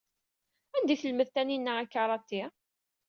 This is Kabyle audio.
Anda ay telmed Taninna akaraṭi?